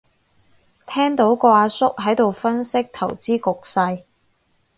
聽到個阿叔喺度分析投資局勢